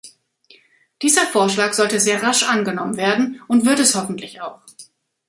Dieser Vorschlag sollte sehr rasch angenommen werden, und wird es hoffentlich auch.